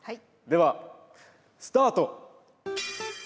ではスタート！